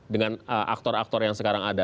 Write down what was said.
dengan aktor aktor yang sekarang ada